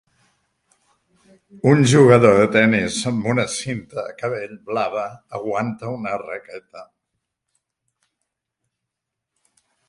un jugador de tenis amb una cinta de cabell blava aguanta una raqueta